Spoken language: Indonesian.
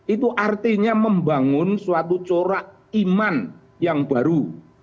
itu artinya membangun suatu corak iman yang baru